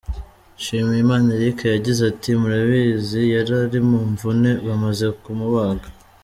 Nshimiyimana Eric yagize ati « Murabizi yari ari mu mvune bamaze kumubaga.